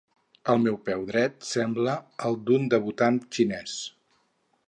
El meu peu dret sembla el d'un debutant xinès.